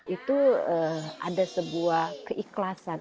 itu ada sebuah keikhlasan